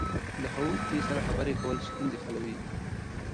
له ښوونکي سره خبرې کول ستونزې حلوي.